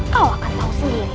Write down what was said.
kau akan tahu sendiri